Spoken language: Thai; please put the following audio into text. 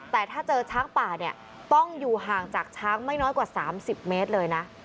แต่ถ้าเจอช้างป่าเนี่ยต้องอยู่ห่างจากช้างไม่น้อยกว่า๓๐เมตรเลยนะ